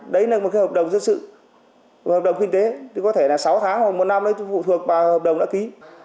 đấy là một cái hợp đồng dân sự một hợp đồng kinh tế thì có thể là sáu tháng hoặc một năm đấy phụ thuộc vào hợp đồng đã ký